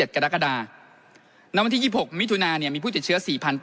กรกฎาและวันที่๒๖มิทุและมีผู้ติดเชื้อ